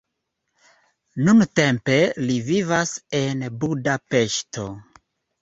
Nuntempe li vivas en Budapeŝto.